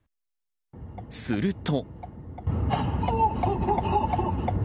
すると。